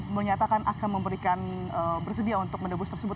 menyatakan akan memberikan bersedia untuk menebus tersebut